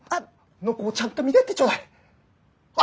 暢子をちゃんと見てやってちょうだい。